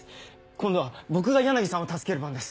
今度は僕が柳さんを助ける番です。